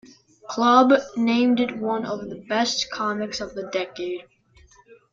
Club named it one of the best comics of the decade.